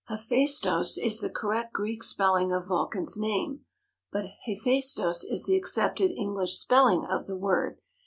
Heph_ai_stos is the correct Greek spelling of Vulcan's name, but Heph_æ_stos is the accepted English spelling of the word.